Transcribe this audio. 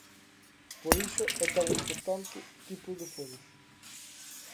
Por iso é tan importante tipo de foros.